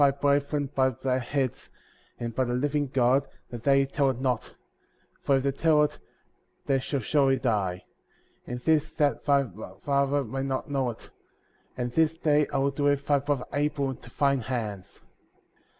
23 swear thy brethren by their heads, and by the living God, that they tell it not; for if they tell it, they shall surely die; and this that thy father may not know it ; and this day I will deliver thy brother Abel into thine hands.